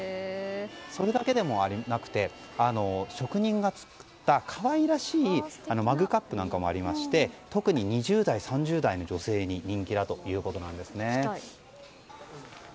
それだけでもなくて職人が作った可愛らしいマグカップなんかもありまして特に２０代、３０代の女性に人気だということです。